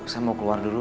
saya mau keluar dulu